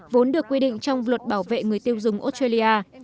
vốn được quy định trong luật bảo vệ người tiêu dùng australia